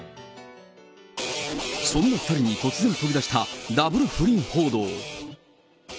そんな２人に突然飛び出したダブル不倫報道。